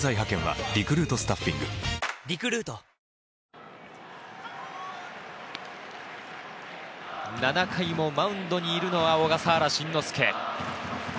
お前もあざす７回もマウンドにいるのは小笠原慎之介。